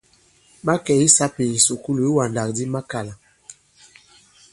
Ɓa kɛ̀ i sāpì ì kìsukulù iwàndàkdi makàlà.